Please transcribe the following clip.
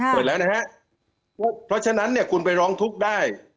เพราะฉะนั้นเนี่ยคุณไปร้องทุกข์ได้